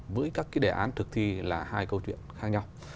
với các cái đề án thực thi là hai câu chuyện khác nhau